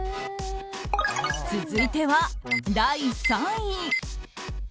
続いては、第３位。